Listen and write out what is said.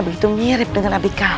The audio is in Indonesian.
begitu mirip dengan abikara